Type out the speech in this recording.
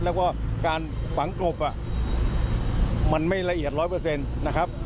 แล้วก็การฝังกลบมันไม่ละเอียดร้อยเปอร์เซ็นต์นะครับ